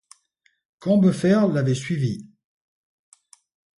Combeferre l'avait suivi.